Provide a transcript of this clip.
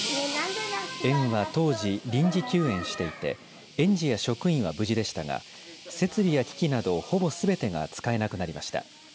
園は当時臨時休園していて園児や職員は無事でしたが設備や機器などほぼすべてが使えなくなりました。